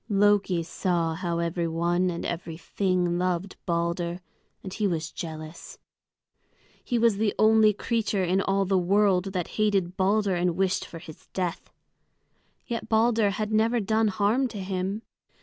Loki saw how every one and every thing loved Balder, and he was jealous. He was the only creature in all the world that hated Balder and wished for his death. Yet Balder had never done harm to him.